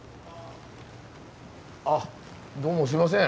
あどうもすいません。